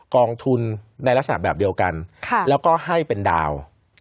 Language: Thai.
กองทุนในลักษณะแบบเดียวกันแล้วก็ให้เป็นดาว